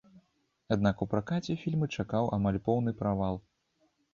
Аднак у пракаце фільмы чакаў амаль поўны правал.